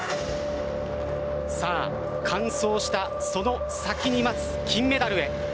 完走したその先に待つ金メダルへ。